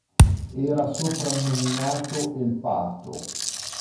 Era soprannominato “El pato”.